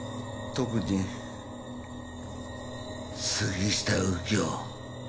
特に杉下右京。